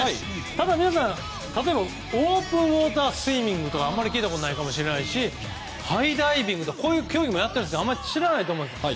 ただ皆さん、例えばオープンウォータースイミングあんまり聞いたことないかもしれませんしハイダイビングとかこういう競技もやっていますがあまり知らないと思います。